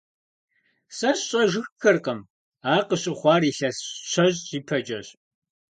Сэ сщӀэжыххэркъым ар, къыщыхъуар илъэс щэщӀ ипэкӀэщ.